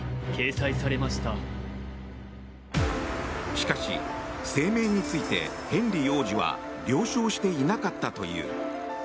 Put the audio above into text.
しかし、声明についてヘンリー王子は了承していなかったという。